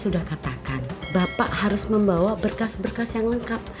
sudah katakan bapak harus membawa berkas berkas yang lengkap